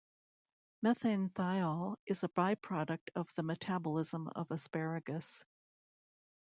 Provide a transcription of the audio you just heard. Methanethiol is a byproduct of the metabolism of asparagus.